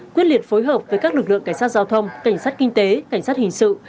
quyết liệt phối hợp với các lực lượng cảnh sát giao thông cảnh sát kinh tế cảnh sát hình sự